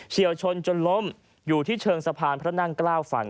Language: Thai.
เชี่ยวชนจนล้มอยู่ที่เชิงสะพานพระนั่งเกล้าฝั่ง